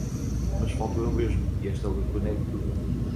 mas falto eu mesmo, e esta lacuna é tudo.